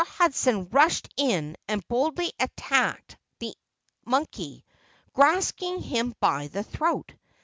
Hudson rushed in and boldly attacked the monkey, grasping him by the throat.